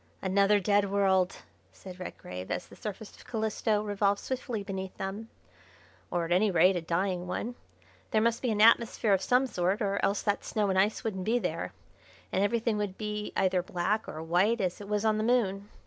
"Another dead world!" said Redgrave, as the surface of Calisto revolved swiftly beneath them, "or at any rate a dying one. There must be an atmosphere of some sort, or else that snow and ice wouldn't be there, and everything would be either black or white as it was on the Moon.